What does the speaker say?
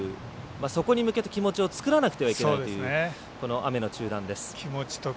そこに向けて気持ちを作らなくてはいけないという雨の中断です。